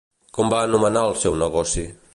Com va anomenar el seu negoci?